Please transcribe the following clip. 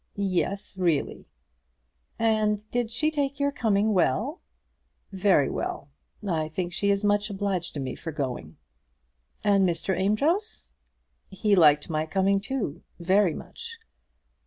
"Yes; really." "And did she take your coming well?" "Very well. I think she is much obliged to me for going." "And Mr. Amedroz?" "He liked my coming too, very much."